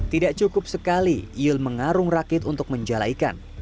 tidak cukup sekali yul mengarung rakit untuk menjala ikan